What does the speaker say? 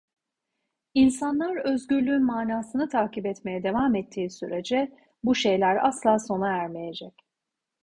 İnsanlar özgürlüğün manasını takip etmeye devam ettiği sürece, bu şeyler asla sona ermeyecek!